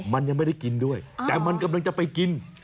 มันยังไม่ได้กินด้วยแต่มันกำลังจะไปกิน